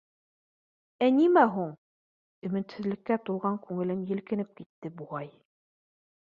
— Ә нимә һуң? — Өмөтһөҙлөккә тулған күңелем елкенеп китте, буғай.